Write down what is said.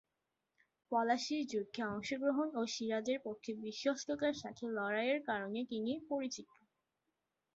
পলাশীর যুদ্ধে অংশগ্রহণ ও সিরাজের পক্ষে বিশ্বস্ততার সাথে লড়াইয়ের কারণে তিনি পরিচিত।